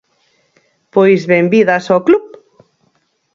Pois benvidas ao club.